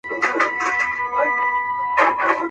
داسي هم نور ورباندي سته نومونه.